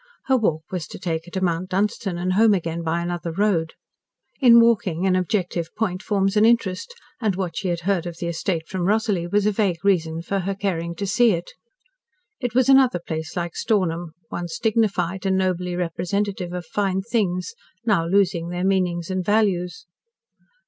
Her walk was to take her to Mount Dunstan and home again by another road. In walking, an objective point forms an interest, and what she had heard of the estate from Rosalie was a vague reason for her caring to see it. It was another place like Stornham, once dignified and nobly representative of fine things, now losing their meanings and values.